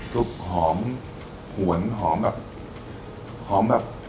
ทุกหอมหวนหอมแบบ